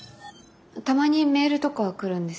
たまにメールとかは来るんですけど。